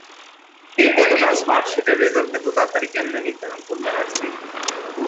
কে কতটা স্মার্ট, সেটার রেজাল্ট এত্ত তাড়াতাড়ি কেম্নে নির্ধারণ করলা, রাজবীর?